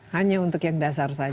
hanya untuk yang dasar saja